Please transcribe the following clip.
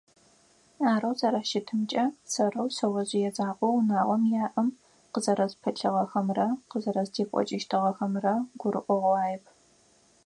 Арэу зэрэщытымкӏэ, сэрэу шъэожъые закъоу унагъом яӏэм къызэрэспылъыгъэхэмрэ къызэрэздекӏокӏыщтыгъэхэмрэ гурыӏогъуаеп.